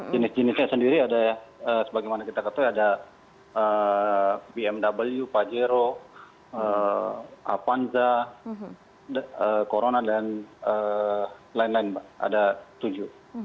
jenis jenisnya sendiri ada sebagaimana kita ketahui ada bmw pajero avanza corona dan lain lain ada tujuh